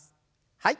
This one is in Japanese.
はい。